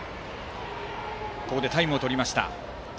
ここでタイムをとりました。